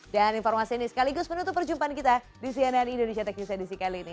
dan informasi ini sekaligus menutup perjumpaan kita di cnn indonesia tech news edition kali ini